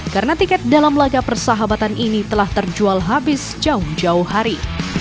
karena tiket dalam laga persahabatan ini telah terjual habis jauh jauh hari